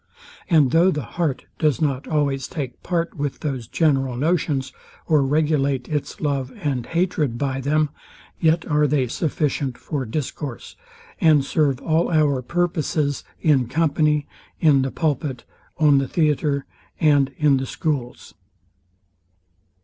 And though the heart does not always take part with those general notions, or regulate its love and hatred by them, yet are they sufficient for discourse, and serve all our purposes in company, in the pulpit, on the theatre, and in the schools.